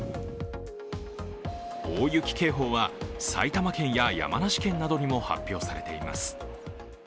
大雪警報は埼玉県や山梨県などにも発表されています。